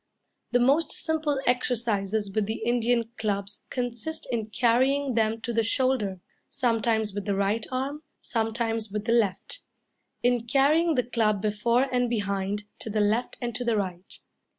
The most simple exercises with the Indian clubs consist in carrying them to the shoulder, sometimes with the right arm, sometimes with the left in carrying the club before and behind, to the left and to the right.